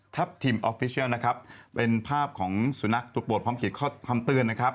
ทีมออฟฟิเชียลนะครับเป็นภาพของสุนัขตัวโปรดพร้อมเขียนข้อความเตือนนะครับ